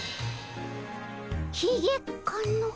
ひげかの？